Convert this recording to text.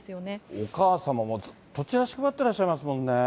お母様もずっとチラシ配ってらっしゃいますもんね。